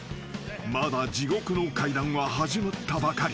まだ地獄の階段は始まったばかり］